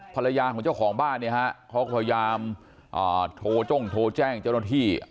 ภรรยาของเจ้าของบ้านเนี่ยฮะเขาพยายามโทรจ้งโทรแจ้งเจ้าหน้าที่